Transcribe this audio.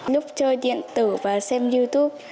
lúc chơi điện tử và xem youtube